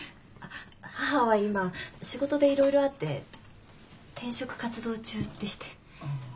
あっ母は今仕事でいろいろあって転職活動中でして。